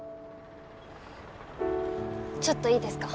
ちょっといいですか？